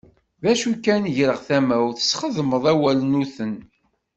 D acu kan greɣ tamawt tesxedmeḍ awalnuten.